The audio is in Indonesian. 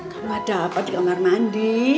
kalau ada apa di kamar mandi